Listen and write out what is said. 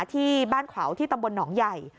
ที่บ้านขวาวที่ตำบลหนองใหญ่